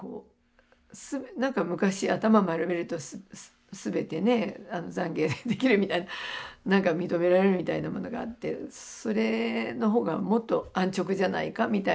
何か昔頭丸めると全てね懺悔できるみたいな何か認められるみたいなものがあってそれの方がもっと安直じゃないかみたいなね。